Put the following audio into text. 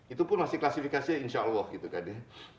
itu pun masih klasifikasi insya allah gitu kan ya